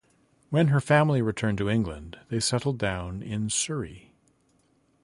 When her family returned to England, they settled down in Surrey.